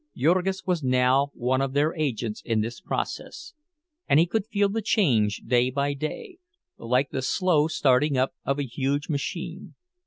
Jurgis was now one of their agents in this process; and he could feel the change day by day, like the slow starting up of a huge machine.